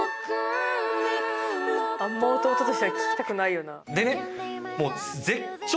あんま弟としては聞きたくないよな。